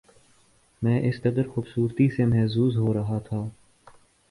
میں اس قدر خوبصورتی سے محظوظ ہو رہا تھا